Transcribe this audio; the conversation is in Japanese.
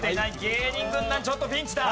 芸人軍団ちょっとピンチだ。